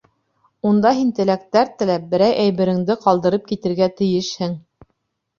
Унда һин теләктәр теләп, берәй әйбереңде ҡалдырып китергә тейешһең.